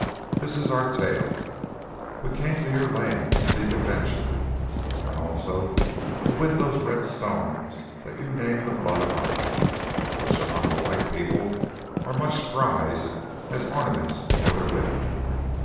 This is our tale: we came to your land to seek adventures, and also to win those red stones that you name the blood of Aca, which among the white people are much prized as ornaments for their women.